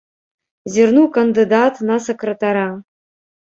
Зірнуў кандыдат на сакратара.